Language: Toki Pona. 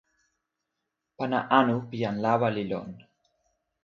pana anu pi jan lawa li lon.